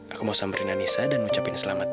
aku mau samberin anissa dan ngucapin selamat